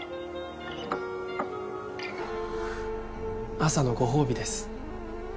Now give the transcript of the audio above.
朝のご褒美です。